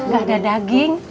gak ada daging